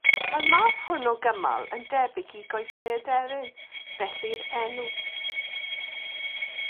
Mae'r math hwn o gymal yn debyg i goesau aderyn, felly'r enw.